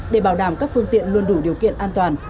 để bảo đảm các phương tiện luôn đủ điều kiện an toàn